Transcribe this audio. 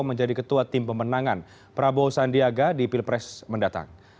menjadi ketua tim pemenangan prabowo sandiaga di pilpres mendatang